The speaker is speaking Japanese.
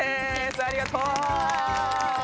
ありがとう！